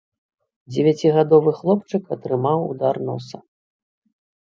Дзевяцігадовы хлопчык атрымаў удар носа.